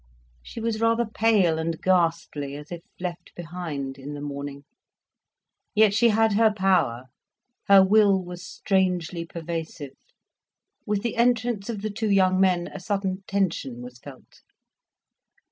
She was rather pale and ghastly, as if left behind, in the morning. Yet she had her power, her will was strangely pervasive. With the entrance of the two young men a sudden tension was felt.